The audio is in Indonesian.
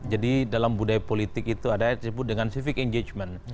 jadi dalam budaya politik itu ada yang disebut dengan civic engagement